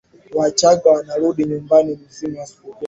wachaga wanarudi nyumbani msimu wa sikukuu